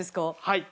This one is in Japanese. はい。